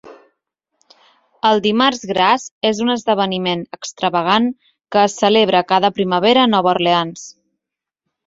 El Dimarts Gras és un esdeveniment extravagant que es celebra cada primavera a Nova Orleans.